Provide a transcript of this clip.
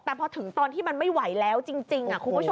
แต่พอถึงตอนที่มันไม่ไหวแล้วจริงคุณผู้ชม